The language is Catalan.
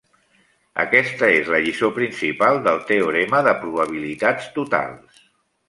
Aquesta és la lliçó principal del teorema de probabilitats totals.